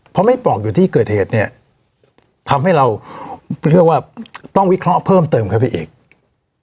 เพราะไม่ปอกอยู่ที่เกิดเหตุเนี่ยทำให้เราเรียกว่าต้องวิเคราะห์เพิ่มเติมครับพี่เอก